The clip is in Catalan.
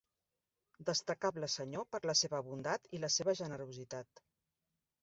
Destacable senyor per la seva bondat i la seva generositat.